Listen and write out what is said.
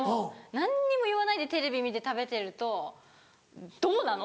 何にも言わないでテレビ見て食べてると「どうなの？」